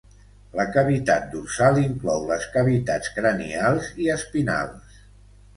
La cavitat dorsal inclou les cavitats cranials i espinals.